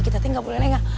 kita teh enggak boleh lengah